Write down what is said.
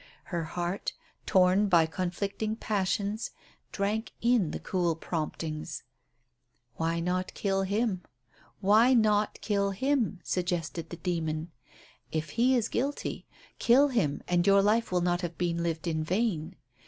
Her heart, torn by conflicting passions, drank in the cruel promptings. "Why not kill him? Why not kill him?" suggested the demon. "If he is guilty, kill him, and your life will not have been lived in vain.